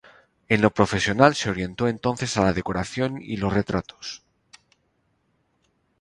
En lo profesional se orientó entonces a la decoración y los retratos.